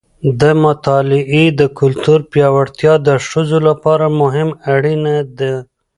د مطالعې د کلتور پیاوړتیا د ښځو لپاره هم اړینه ده.